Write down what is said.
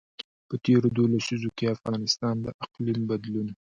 په تېرو دوو لسیزو کې افغانستان د اقلیم بدلون.